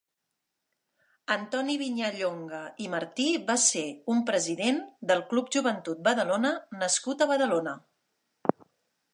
Antoni Viñallonga i Martí va ser un president del Club Joventut Badalona nascut a Badalona.